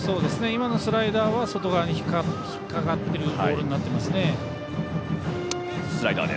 今のスライダーは外側に引っかかっているボールになっていますね。